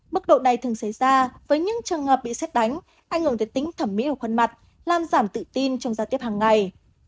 mức độ này thường xảy ra với những trường hợp bị xét đánh ảnh hưởng tới tính thẩm mỹ của khuôn mặt làm giảm tự tin trong giao tiếp hàng ngày